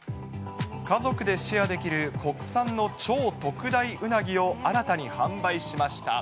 家族でシェアできる国産の超特大うなぎを新たに販売しました。